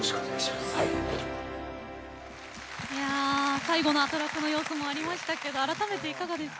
最後のアトラクの様子もありましたけど改めて、いかがですか？